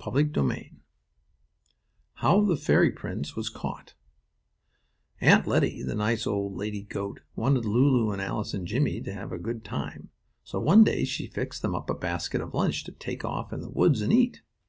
STORY XVII HOW THE FAIRY PRINCE WAS CAUGHT Aunt Lettie, the nice old lady goat, wanted Lulu and Alice and Jimmie to have a good time, so one day she fixed them up a basket of lunch to take off in the woods and eat.